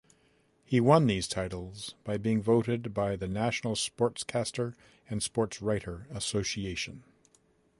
He won these titles by being voted by the National Sportscaster and Sportswriter Association.